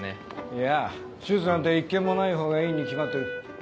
いや手術なんて一件もないほうがいいに決まってる。